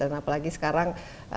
dan apalagi sekarang